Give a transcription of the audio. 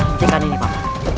berhenti kan ini pak mak